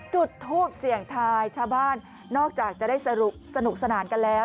จุดทูปเสี่ยงทายชาวบ้านนอกจากจะได้สนุกสนานกันแล้ว